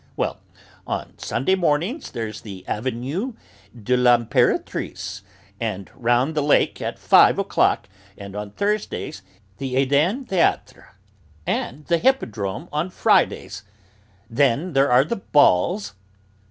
Well, on Sunday mornings there's the Avenue de l'Impératrice, and round the lake at five o'clock, and on Thursdays the Eden Théâtre, and the Hippodrome on Fridays; then there are the balls..."